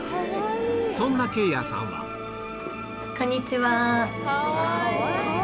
そんなケイラさんはこんにちは。